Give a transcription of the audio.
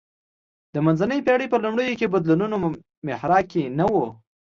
د منځنۍ پېړۍ په لومړیو کې بدلونونو محراق کې نه و